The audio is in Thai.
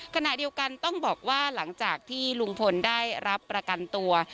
ขณะเดียวกันต้องบอกว่าหลังจากที่ลุงพลได้รับประกันตัว